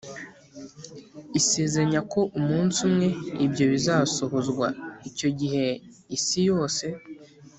Isezeranya ko umunsi umwe ibyo bizasohozwa icyo gihe isi yose